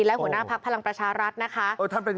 และหัวหน้าพักพลังประชารัฐนะคะ